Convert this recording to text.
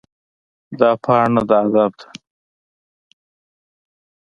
دا پاڼه د ادب ده.